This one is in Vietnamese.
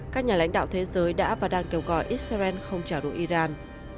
các nhà lãnh đạo thế giới đã và đang kêu gọi israel không trả đũa iran